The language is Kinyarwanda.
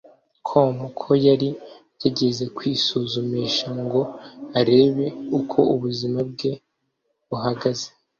com ko yari yagiye kwisuzumisha ngo arebe uko ubuzima bwe buhagaze